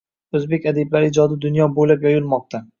O‘zbek adiblari ijodi dunyo bo‘ylab yoyilmoqda